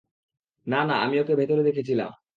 না, না, আমি ওকে ভেতরে দেখেছিলাম।